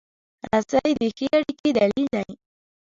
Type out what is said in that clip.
رسۍ د ښې اړیکې دلیل دی.